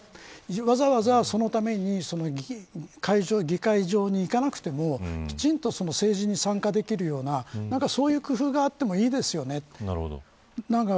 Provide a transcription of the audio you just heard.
わざわざ、そのために議会場に行かなくてもきちんと政治に参加できるようなそういう工夫があってもいいですよね。